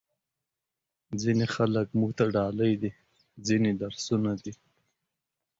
ځینې خلک موږ ته ډالۍ دي، ځینې درسونه دي.